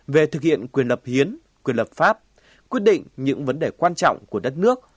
về thực hiện quyền lập hiến quyền lập pháp quyết định những vấn đề quan trọng của đất nước